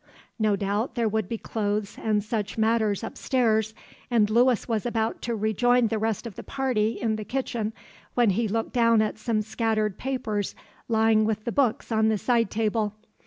No doubt there would be clothes and such matters upstairs, and Lewis was about to rejoin the rest of the party in the kitchen, when he looked down at some scattered papers lying with the books on the side table.